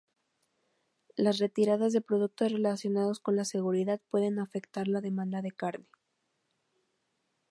Las retiradas de productos relacionados con la seguridad pueden afectar la demanda de carne.